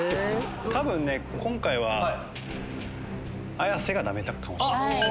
多分ね今回は綾瀬がダメかもしれない。